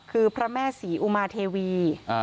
คือพระแม่ศรีอุมาเทวี